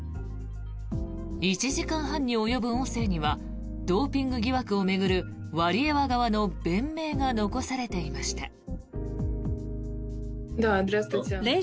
１時間半に及ぶ音声にはドーピング疑惑を巡るワリエワ側の弁明が残されていました。